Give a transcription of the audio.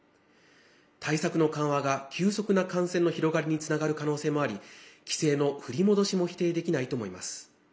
対策の緩和が、急速な感染の広がりにつながる可能性もあり規制の振り戻しも否定できないと思います。